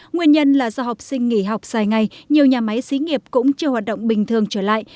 nguyên nhân là do học sinh nghỉ học dài ngày nhiều nhà máy xí nghiệp cũng chưa hoạt động bình thường trở lại